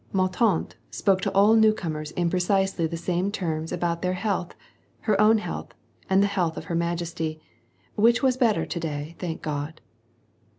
' Md tantey" spoke to all new comers in precisely the same terms about their health, her own health, and the health of her majesty, "which was better to day, thank God."